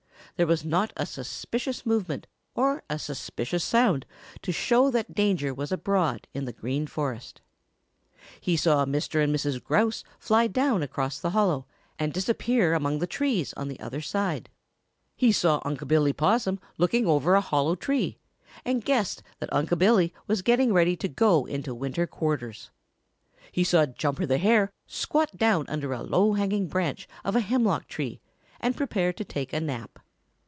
There was not a suspicious movement or a suspicious sound to show that danger was abroad in the Green Forest. He saw Mr. and Mrs. Grouse fly down across the hollow and disappear among the trees on the other side. He saw Unc' Billy Possum looking over a hollow tree and guessed that Unc' Billy was getting ready to go into winter quarters. He saw Jumper the Hare squat down under a low hanging branch of a hemlock tree and prepare to take a nap.